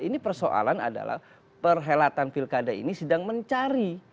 ini persoalan adalah perhelatan pilkada ini sedang mencari